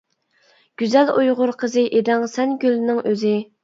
گۈزەل ئۇيغۇر قىزى، ئىدىڭ سەن گۈلنىڭ ئۆزى.